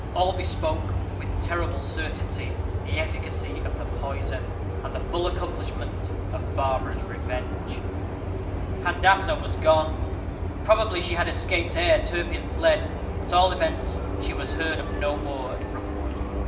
All bespoke, with terrible certainty, the efficacy of the poison, and the full accomplishment of Barbara's revenge. Handassah was gone. Probably she had escaped ere Turpin fled. At all events, she was heard of no more at Rookwood.